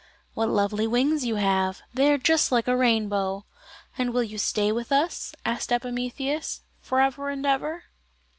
"What lovely wings you have! They are just like a rainbow. And will you stay with us," asked Epimetheus, "for ever and ever?"